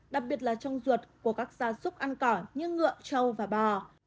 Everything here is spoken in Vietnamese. đặc biệt là trong ruột của các gia súc ăn cỏ như ngựa trâu và bò